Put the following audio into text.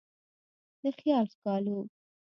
د خیال ښکالو